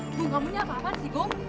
bu kamu ini apa apaan sih gung